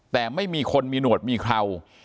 แต่ไม่มีคนมีหนวดมีเครา